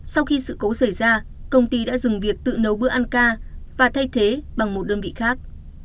sau khi sự cố xảy ra công ty đã dừng việc tự nấu bữa ăn ca và thay thế bằng một đơn vị khác